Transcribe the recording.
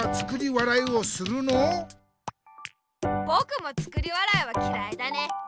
ぼくも作り笑いはきらいだね。